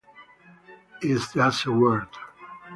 It's just a word.